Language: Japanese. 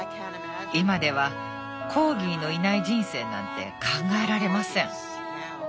今ではコーギーのいない人生なんて考えられません。